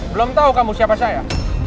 belum tahu kamu siapa saya